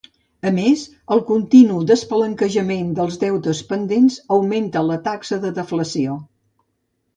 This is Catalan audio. A més, el continu despalanquejament dels deutes pendents augmenta la taxa de deflació.